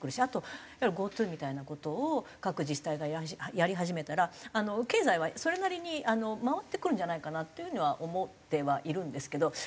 あといわゆるＧｏＴｏみたいな事を各自治体がやり始めたら経済はそれなりに回ってくるんじゃないかなっていう風には思ってはいるんですけど。